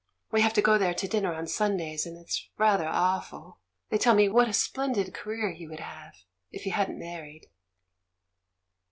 We have to go there to dinner on Sundays, and it's rather awful — they tell me what a splendid ca reer he would have had if he hadn't married."